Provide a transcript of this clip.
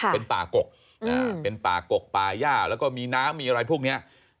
เป็นป่ากกเป็นป่ากกป่าย่าแล้วก็มีน้ำมีอะไรพวกนี้